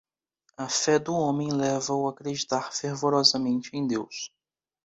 a fé do homem leva-o a acreditar fervorosamente em deus